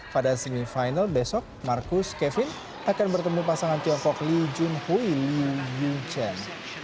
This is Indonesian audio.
pada semifinal besok marcus kevin akan bertemu pasangan tiongkok li junhui li yuchen